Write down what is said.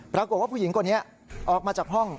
ปรากฏว่าผู้หญิงคนนี้ออกมาจากห้อง